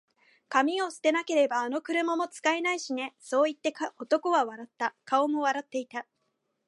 「紙を捨てなけれれば、あの車も使えないしね」そう言って、男は笑った。顔も笑っていた。